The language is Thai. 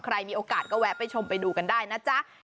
ใครมีโอกาสก็แวะไปชมไปดูกันได้นะจ๊ะ